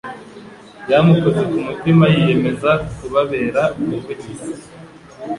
byamukoze ku mutima yiyemeza kubabera umuvugizi